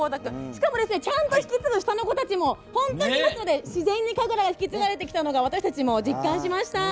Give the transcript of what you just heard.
しかも、ちゃんと引き継ぐ下の子たちもいますので自然と神楽が引き継がれてきたのが私たちも実感しました。